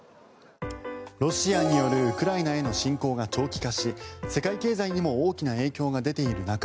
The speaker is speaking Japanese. ロシアによるウクライナへの侵攻が長期化し世界経済にも大きな影響が出ている中